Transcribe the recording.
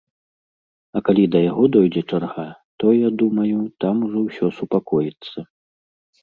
А калі да яго дойдзе чарга, то, я думаю, там ужо ўсё супакоіцца.